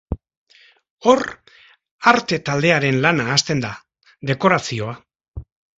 Hor, arte taldearen lana hasten da, dekorazioa.